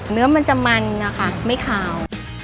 เนื้อมันจะมันนะคะไม่ขาว